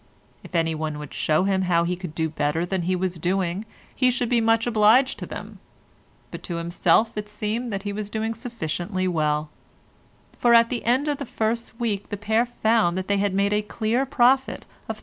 If anyone would show him how he could do better than he was doing, he should be much obliged to them, but to himself it seemed that he was doing sufficiently well; for at the end of the first week the pair found they had made a clear profit of £3.